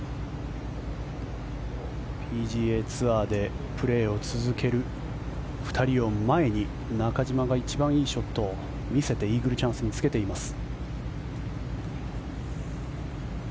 ＰＧＡツアーでプレーを続ける２人を前に中島が一番いいショットを見せてイーグルチャンスにつけています。